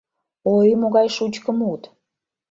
Ой, могай шучко мут...